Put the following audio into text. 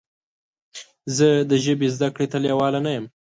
زه د ژبې زده کړې ته لیواله نه یم.